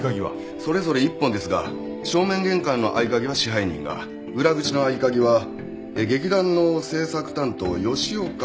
それぞれ１本ですが正面玄関の合鍵は支配人が裏口の合鍵は劇団の制作担当吉岡加代子が所持。